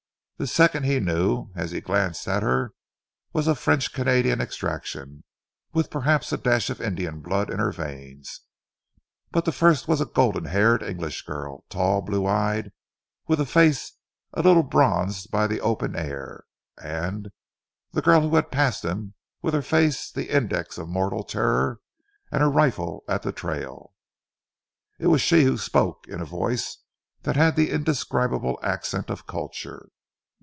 The second he knew as he glanced at her was of French Canadian extraction, with perhaps a dash of Indian blood in her veins; but the first was a golden haired English girl, tall, blue eyed, with face a little bronzed by the open air, and the girl who had passed him with her face the index of mortal terror and her rifle at the trail. It was she who spoke in a voice that had the indescribable accent of culture.